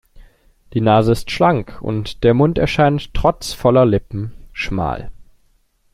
Die Nase ist schlank, und der Mund erscheint trotz voller Lippen schmal.